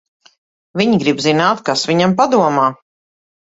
Viņi grib zināt, kas viņam padomā.